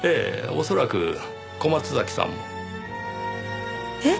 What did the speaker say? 恐らく小松崎さんも。え？